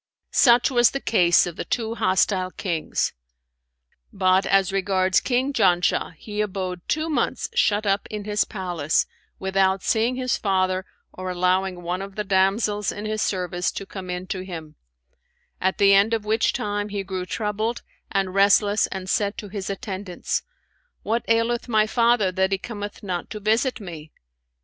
Such was the case of the two hostile Kings; but as regards King Janshah, he abode two months shut up in his palace, without seeing his father or allowing one of the damsels in his service to come in to him; at the end of which time he grew troubled and restless and said to his attendants, 'What aileth my father that he cometh not to visit me?'